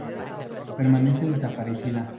Permanece desaparecida.